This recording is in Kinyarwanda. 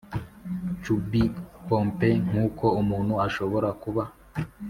chubby, pompe nkuko umuntu ashobora kuba.